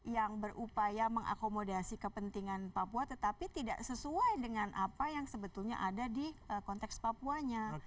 yang berupaya mengakomodasi kepentingan papua tetapi tidak sesuai dengan apa yang sebetulnya ada di konteks papuanya